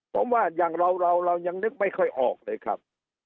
ผมว่าอย่างเราเรายังนึกไม่ค่อยออกเลยครับ